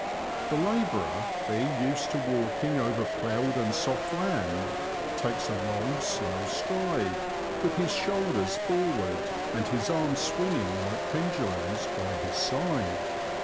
The labourer, being used to walking over ploughed and soft land, takes a long, slow stride, with his shoulders forward, and his arms swinging like pendulums by his side.